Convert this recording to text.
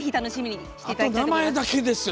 あと、名前だけですよ。